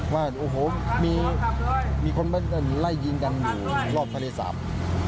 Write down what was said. ว่าโอ้โหมีคนมาไล่ยิงกันหรือรอบทะเลศาสตร์